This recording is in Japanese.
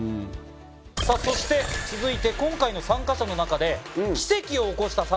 そして続いて今回の参加者の中で奇跡を起こした参加者。